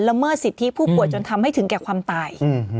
เมิดสิทธิผู้ป่วยจนทำให้ถึงแก่ความตาย